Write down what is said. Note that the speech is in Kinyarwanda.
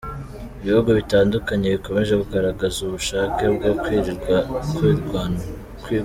Ibihugu bitandukanye bikomeje kugaragaza ubushake bwo kurwigana.